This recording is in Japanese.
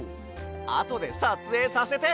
あとでさつえいさせて！